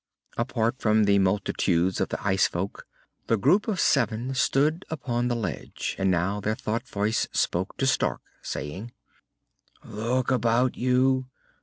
Apart from the multitudes of the ice folk, the group of seven stood upon the ledge. And now their thought voice spoke to Stark, saying, "Look about you.